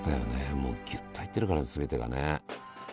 もうギュッと入ってるから全てがね。